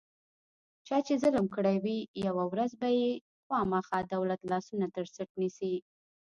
چا چې ظلم کړی وي، یوه ورځ به یې خوامخا دولت لاسونه ترڅټ نیسي.